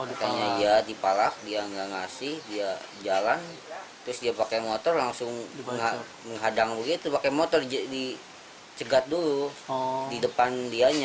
bukannya dia dipalak dia nggak ngasih dia jalan terus dia pakai motor langsung menghadang begitu pakai motor dicegat dulu di depan dianya